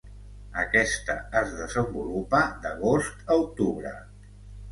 Aquesta es desenvolupa d'agost a octubre.